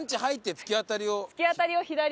突き当たりを左。